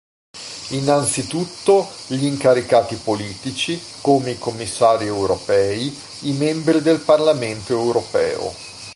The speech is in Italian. Innanzitutto, gli incaricati politici, come i commissari europei, i membri del Parlamento europeo.